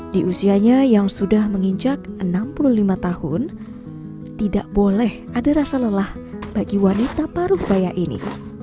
di usianya yang sudah menginjak enam puluh lima tahun tidak boleh ada rasa lelah bagi wanita paruh bayak ini